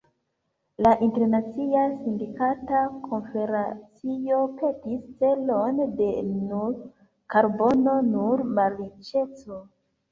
La Internacia Sindikata Konfederacio petis celon de "nul karbono, nul malriĉeco".